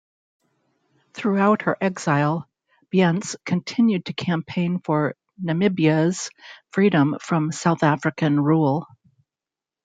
Throughout her exile, Bience continued to campaign for Namibia's freedom from South African rule.